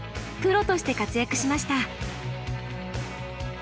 プロとして活躍しました。